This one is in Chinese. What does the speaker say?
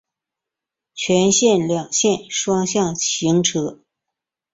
全线两线双向行车。